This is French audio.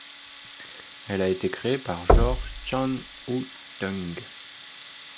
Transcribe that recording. Elle a été créée par Georges Chan-Ou-Teung.